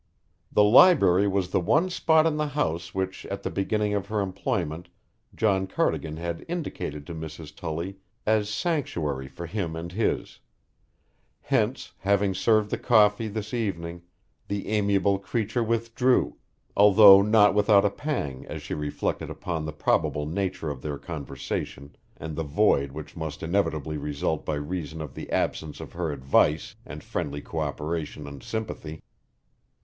The library was the one spot in the house which at the beginning of her employment John Cardigan had indicated to Mrs. Tully as sanctuary for him and his; hence, having served the coffee this evening, the amiable creature withdrew, although not without a pang as she reflected upon the probable nature of their conversation and the void which must inevitably result by reason of the absence of her advice and friendly cooperation and sympathy.